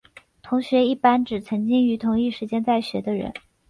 同学一般指曾经于同一时间在学的人。